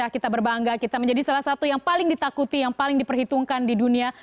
kita berbangga kita menjadi salah satu yang paling ditakuti yang paling diperhitungkan di dunia